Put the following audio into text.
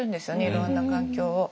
いろんな環境を。